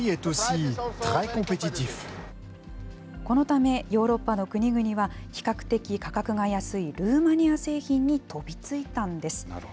このため、ヨーロッパの国々は、比較的価格が安いルーマニア製品に飛びついたんです。